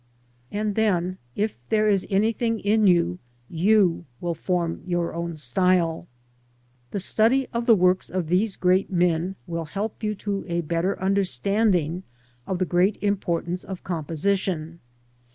And then, if there is anything in you, you will form your own style. The study of the works of these great men will help you to a better understanding of the great importance of composition.